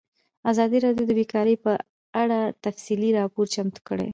ازادي راډیو د بیکاري په اړه تفصیلي راپور چمتو کړی.